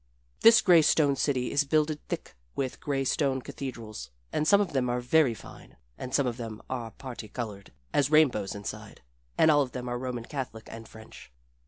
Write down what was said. This gray stone city is builded thick with gray stone cathedrals, and some of them are very fine, and some of them are parti colored as rainbows inside, and all of them are Roman Catholic and French.